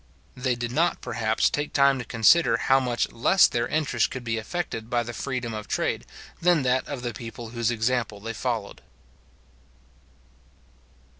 They did not, perhaps, take time to consider how much less their interest could be affected by the freedom of trade, than that of the people whose example they followed.